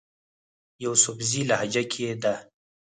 يوسفزئ لهجه کښې ده